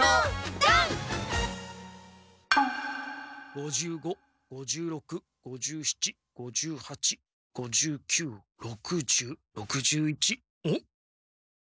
５５５６５７５８５９６０６１んっ？